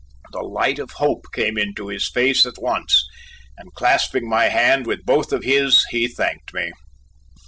The light of hope came into his face at once, and clasping my hand with both of his, he thanked me.